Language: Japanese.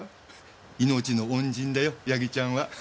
命の恩人だよ矢木ちゃんは。